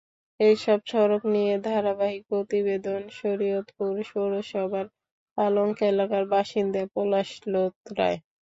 এসব সড়ক নিয়ে ধারাবাহিক প্রতিবেদনশরীয়তপুর পৌরসভার পালং এলাকার বাসিন্দা পলাশ লোধ রায়।